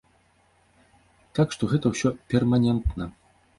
Так што гэта ўсё перманентна.